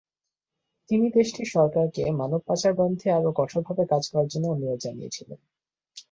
তিনি দেশটির সরকারকে মানব পাচার বন্ধে আরো কঠোরভাবে কাজ করার জন্য অনুরোধ জানিয়েছিলেন।